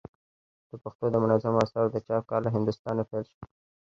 د پښتو دمنظومو آثارو د چاپ کار له هندوستانه پيل سو.